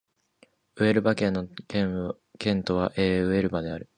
ウエルバ県の県都はウエルバである